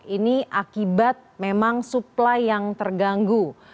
ini akibat memang supply yang terganggu